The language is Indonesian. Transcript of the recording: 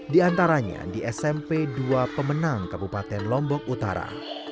di antaranya di smp dua pemenang kabupaten lombok utara